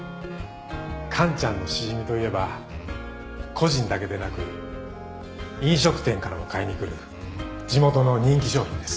カンちゃんのシジミといえば個人だけでなく飲食店からも買いに来る地元の人気商品です。